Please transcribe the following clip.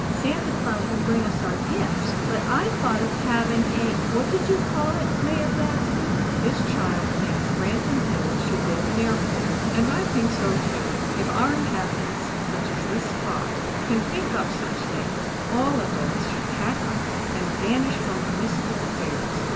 Santa Claus will bring us our gifts! But I thought of having a what did you call it, Mayor Gadsby?" "This child thinks Branton Hills should build an airport, and I think so, too. If our inhabitants, such as this tot, can think up such things, all adults should pack up, and vanish from municipal affairs.